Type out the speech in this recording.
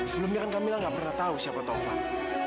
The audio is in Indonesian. sebelumnya kan kamila gak pernah tahu siapa taufan